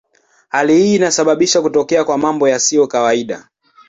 Hali hii inasababisha kutokea kwa mambo yasiyo kawaida.